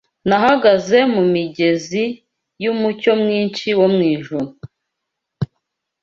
'Nahagaze mumigezi Yumucyo mwinshi wo mwijuru